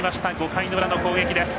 ５回の裏の攻撃です。